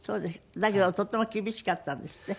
だけどとっても厳しかったんですって？